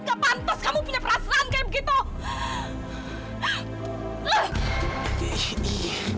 gak pantas kamu punya perasaan kayak begitu